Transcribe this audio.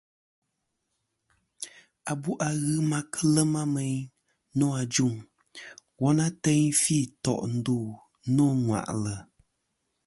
Abu' a ghɨ ma kɨ lema meyn nô ajuŋ, woyn a ateyn fi tò' ndu nô ŋwà'lɨ.